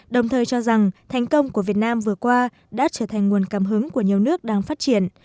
đồng thời cho rằng thành công của việt nam vừa qua đã trở thành nguồn cảm hứng của nhiều nước đang phát triển